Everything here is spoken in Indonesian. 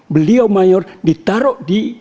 beliau mayor ditaruh di